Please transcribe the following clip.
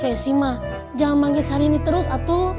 jesse mah jangan manggil sari nek terus atu